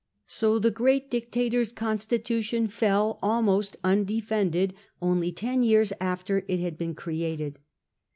So the great dictator's constitution fell, almost undefended, only ten years after it had been created.